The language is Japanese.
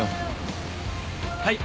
はい。